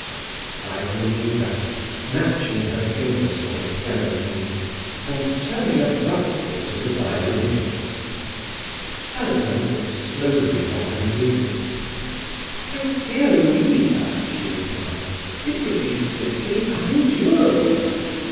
cried Louisa, snatching her fingers from the piano keys, and turning abruptly to the violinist. Helena looked slowly from her music. "My dear Louisa," she replied, "it would be simply unendurable."